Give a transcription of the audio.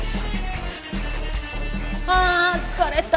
ああ疲れた。